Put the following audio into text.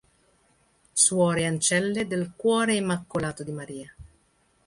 Suore ancelle del Cuore Immacolato di Maria